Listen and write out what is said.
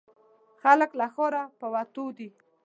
خلک له ښاره په وتو دي.